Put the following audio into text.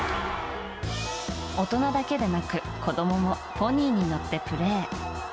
大人だけでなく子供もポニーに乗ってプレー。